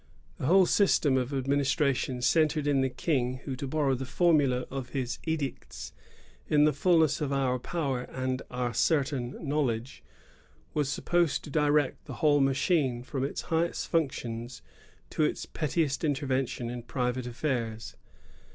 The whole system of administration centred in the King, who, to borrow the formula of his edicts, " in the fulness of our power and our certain knowledge," was supposed to direct the whole machine, from its highest functions to its pettiest intervention in private affairs.